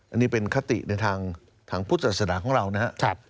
อันนี้เป็นคติในทางพุทธศาสนาของเรานะครับ